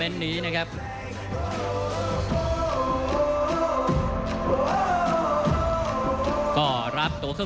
ท่านแรกครับจันทรุ่ม